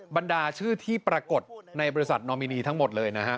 บรรดาชื่อที่ปรากฏในบริษัทนอมินีทั้งหมดเลยนะฮะ